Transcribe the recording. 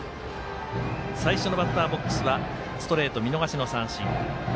最初のバッターボックスはストレート、見逃しの三振。